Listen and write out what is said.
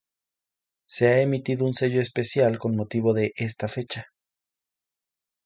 Se ha emitido un sello especial con motivo de esta fecha.